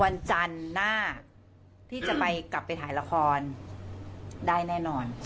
วันจันทร์หน้าที่จะไปกลับไปถ่ายละครได้แน่นอน